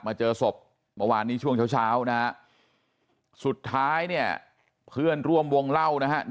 เจอศพเมื่อวานนี้ช่วงเช้าเช้านะฮะสุดท้ายเนี่ยเพื่อนร่วมวงเล่านะฮะ